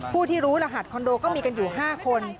ผู้ที่รู้รหัสคอนโดก็มีกันอยู่๕คน